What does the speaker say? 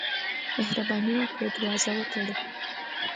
مهرباني وکړه، دروازه وتړه.